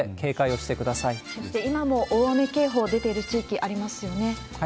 そして今も大雨警報出ている地域ありますよね。